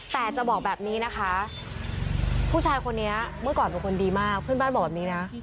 แต่จะบอกแบบนี้นะคะผู้ชายคนนี้เมื่อก่อนเป็นคนดีมากเพื่อนบ้านบอกแบบนี้นะ